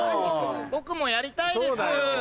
僕もやりたいです。